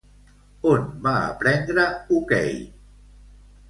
On va aprendre hoquei?